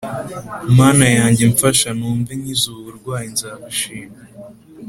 mana yanjye mfasha numve nkize ubu burwayi nzagushimira